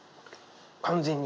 完全に。